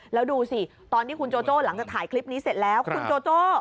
แล้วดูสิตอนที่คุณโจโจ้หลังจากถ่ายคลิปนี้เสร็จแล้วคุณโจโจ้